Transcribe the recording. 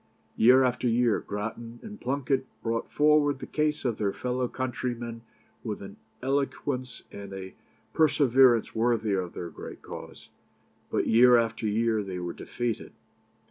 Year after year Grattan and Plunket brought forward the case of their fellow countrymen with an eloquence and a perseverance worthy of their great cause; but year after year they were defeated.